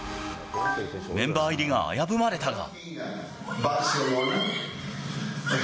メンバー入りが危ぶまれたが。